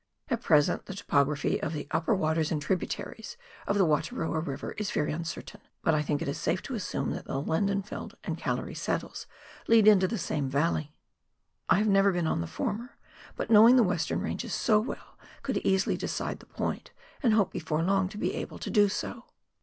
At present the topography of the upper waters and tributaries of the Wataroa River is very uncertain, but I think it safe to assume that the Lendenfeldt and Gallery saddles lead into the same valley. I have never been on the former, but knowing the "Western Ranges so well could easily decide the point, and hope before long to be able to do so.